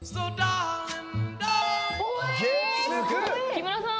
木村さん。